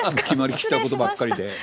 決まりきったことばっかりで。